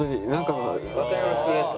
「またよろしくね」と。